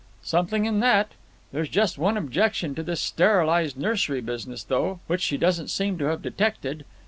"Something in that. There's just one objection to this sterilized nursery business, though, which she doesn't seem to have detected.